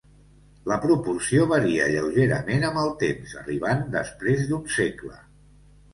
La proporció varia lleugerament amb el temps, arribant després d'un segle.